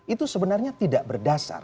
itu sebenarnya tidak berdasar